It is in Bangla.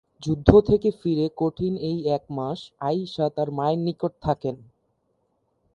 যুদ্ধ থেকে ফিরে কঠিন এই এক মাস আয়িশা তার মায়ের নিকট থাকেন।